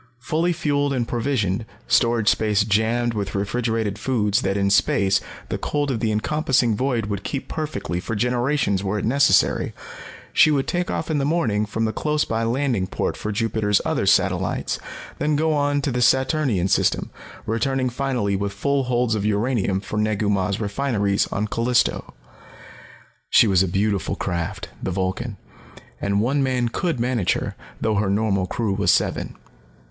Fully fueled and provisioned, storage space jammed with refrigerated foods that in space the cold of the encompassing void would keep perfectly for generations were it necessary, she would take off in the morning from the close by landing port for Jupiter's other satellites, then go on to the Saturnian system, returning finally with full holds of uranium for Negu Mah's refineries on Callisto. She was a beautiful craft, the Vulcan, and one man could manage her, though her normal crew was seven.